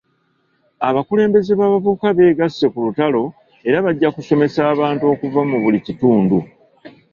Abakulembeze b'abavubuka beegasse ku lutalo era bajja kusomesa abantu okuva mu buli kitundu.